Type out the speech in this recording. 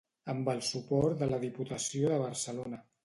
amb el suport de la Diputació de Barcelona